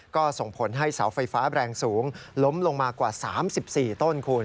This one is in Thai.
ก็ส่งผลให้เสาไฟฟ้าแรงสูงล้มลงมากว่า๓๔ต้นคุณ